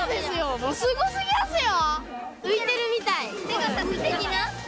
もうすごすぎますよ！